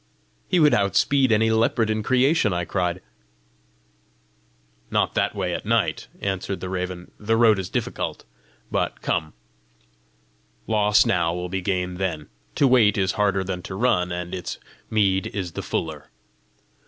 "He would outspeed any leopard in creation!" I cried. "Not that way at night," answered the raven; "the road is difficult. But come; loss now will be gain then! To wait is harder than to run, and its meed is the fuller.